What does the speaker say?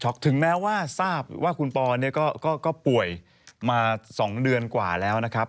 ถึงแม้ว่าทราบว่าคุณปอนเนี่ยก็ป่วยมา๒เดือนกว่าแล้วนะครับ